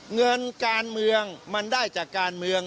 เงินการเมืองมันได้จากการเมือง